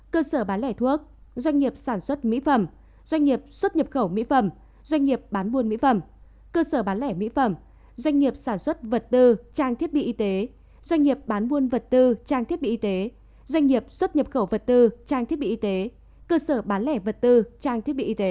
cơ sở kinh doanh dược mỹ phẩm vật tư trang thiết bị y tế được phép hoạt động trở lại cuối cùng